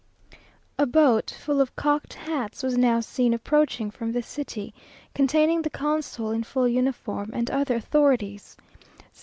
A boat full of cocked hats was now seen approaching from the city, containing the Consul in full uniform, and other authorities.